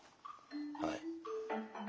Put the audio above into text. はい。